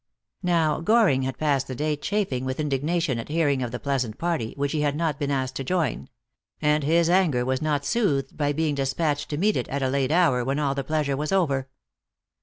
Now, Goring had passed the day chafing with in dignation at hearing of the pleasant party, which he had not been asked to join ; and his anger was not soothed by being despatched to meet it, at a late hour, when all the pleasure was over.